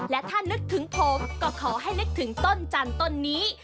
และถ้านึกถึงผมก็ขอให้นึกถึงต้นจันทร์ต้นนี้